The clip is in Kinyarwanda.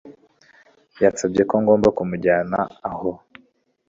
Yansabye ko ngomba kumujyana aho